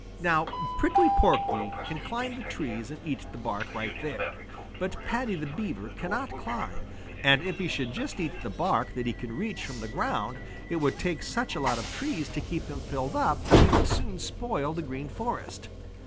Now Prickly Porky can climb the trees and eat the bark right there, but Paddy the Beaver cannot climb, and if he should just eat the bark that he can reach from the ground it would take such a lot of trees to keep him filled up that he would soon spoil the Green Forest.